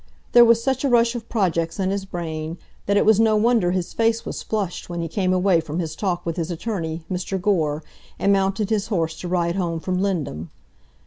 There was such a rush of projects in his brain, that it was no wonder his face was flushed when he came away from his talk with his attorney, Mr Gore, and mounted his horse to ride home from Lindum.